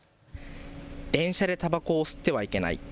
電車でたばこを吸ってはいけない。